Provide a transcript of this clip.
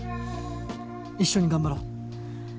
一緒に頑張ろう。